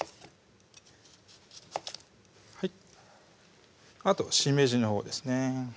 はいあとしめじのほうですね